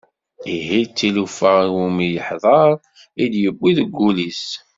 Ihi d tilufa iwumi yeḥḍer i d-yewwi deg wullis-is.